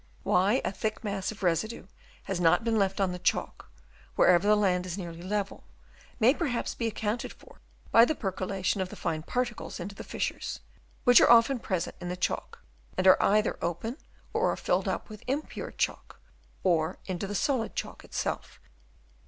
Why a thick mass of residue has not been left on the Chalk, wherever the land is nearly level, may perhaps be accounted for by the percolation of the fine particles into the fissures, which are often present in the chalk and are either open or are filled up with impure chalk, or into the solid chalk itself.